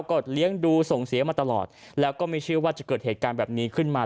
ก็เลี้ยงดูส่งเสียมาตลอดแล้วก็ไม่เชื่อว่าจะเกิดเหตุการณ์แบบนี้ขึ้นมา